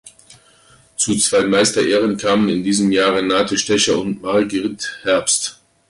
Zu zwei Meisterehren kamen in diesem Jahr Renate Stecher und Margrit Herbst.